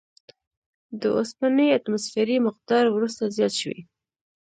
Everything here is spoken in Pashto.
د اوسپنې اتوموسفیري مقدار وروسته زیات شوی.